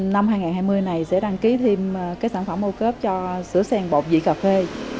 năm hai nghìn hai mươi này sẽ đăng ký thêm cái sản phẩm ô cớp cho sữa sen bột vị cà phê